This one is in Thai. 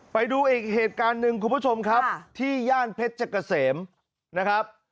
ไปดูอีกเหตุการณ์หนึ่งคุณผู้ชมครับที่ย่านเพชรเกษมนะครับ